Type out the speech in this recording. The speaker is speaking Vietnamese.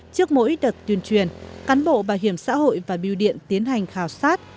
trước mỗi đợt tuyên truyền cán bộ bảo hiểm xã hội và biêu điện tiến hành khảo sát